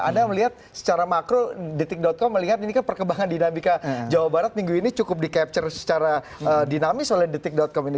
anda melihat secara makro detik com melihat ini kan perkembangan dinamika jawa barat minggu ini cukup di capture secara dinamis oleh detik com ini